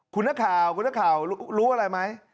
คุณนักข่าวคุณนักข่าวรู้อะไรไหม